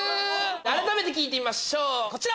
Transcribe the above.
改めて聴いてみましょうこちら！